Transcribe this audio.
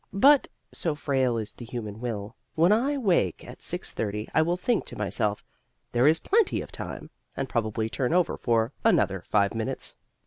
But (so frail is the human will) when I wake at 6:30 I will think to myself, "There is plenty of time," and probably turn over for "another five minutes."